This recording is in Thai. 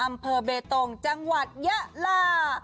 อำเภอเบตงจังหวัดยะลา